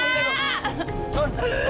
kau ibig nihh ob seeh